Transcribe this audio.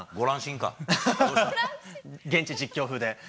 現地実況風で。